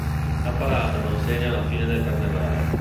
La parata non segna la fine del carnevale.